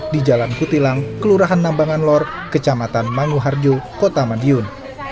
di jalan kutilang kelurahan nambangan lor kecamatan manguharjo kota madiun